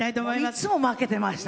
いつも負けてました